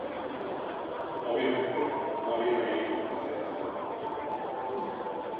Obviamente no habían leído las letras del álbum.